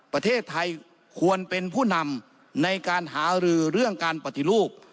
ประเทศไทยควรเป็นผู้นำในการหารือเรื่องการปฏิรูป